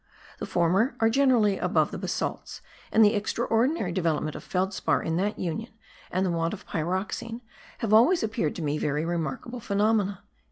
The former are generally above the basalts; and the extraordinary development of felspar in that union, and the want of pyroxene, have always appeared to me very remarkable phenomena.)